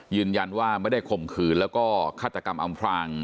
ยืนยันว่าไม่ได้ข่มขืนแล้วก็ฆาตกรรมอำพราง